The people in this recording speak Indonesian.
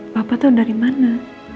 bapak tau dari mana